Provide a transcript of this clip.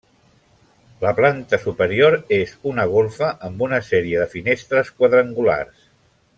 La planta superior és una golfa amb una sèrie de finestres quadrangulars.